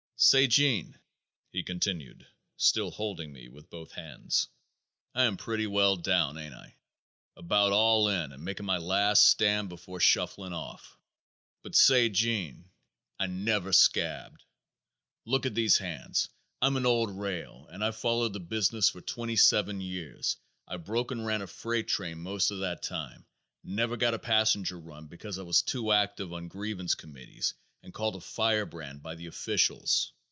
"Say, Gene," he continued, still holding me with both hands, "I am pretty well down, ain't I? About all in and making my last stand before shuffling off." "But say, Gene, I never scabbed. Look at these hands! I'm an old rail and I followed the business for twenty seven years. I broke and ran a freight train most of that time. Never got a passenger run because I was too active on grievance committees and called a firebrand by the officials.